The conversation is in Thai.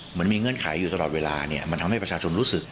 เหมือนมีเงื่อนไขอยู่ตลอดเวลาเนี่ยมันทำให้ประชาชนรู้สึก